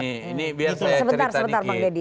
ini ini biasanya cerita dikit